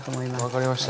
分かりました。